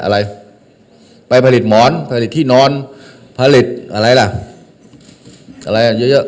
อะไรไปผลิตหมอนผลิตที่นอนผลิตอะไรล่ะอะไรอ่ะเยอะเยอะ